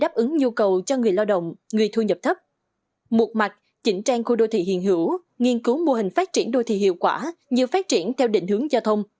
với mô hình phát triển đô thị hiệu quả như phát triển theo định hướng giao thông